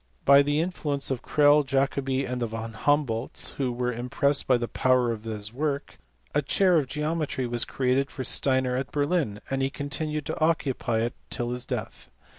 By the influence of Crelle, Jacobi, and the von Humboldts, who were impressed by the power of this work, a chair of geometry was created for Steiner at Berlin, and he continued to occupy it till his death.